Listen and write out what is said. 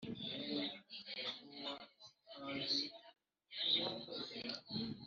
jya wizeza abantu bihebye ko abavandimwe na bashiki babo ari umuntu wese